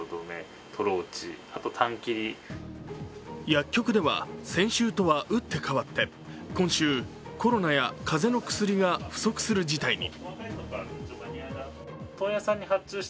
薬局では、先週とは打って変わって今週、コロナや風邪の薬が不足する事態に。